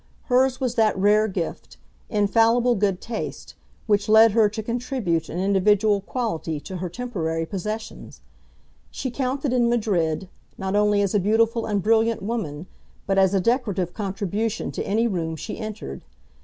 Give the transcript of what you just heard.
Hers was that rare gift, infallible good taste, which led her to contribute an individual quality to her temporary possessions. She counted in Madrid, not only as a beautiful and brilliant woman, but as a decorative contribution to any room she entered.